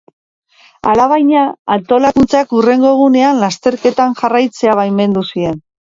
Alabaina, antolakuntzak hurrengo egunean lasterketan jarraitzea baimendu zien.